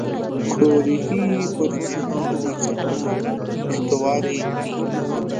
خو ریښې یې پر زبېښونکو بنسټونو استوارې دي.